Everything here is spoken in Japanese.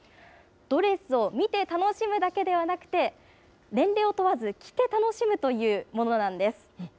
ドレスを見て楽しむだけではなくて、年齢を問わず着て楽しむというものなんです。